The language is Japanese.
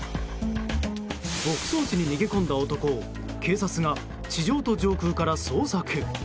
牧草地に逃げ込んだ男を警察が地上と上空から捜索。